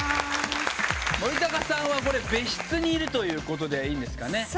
森高さんは別室にいるということでいいんですかね？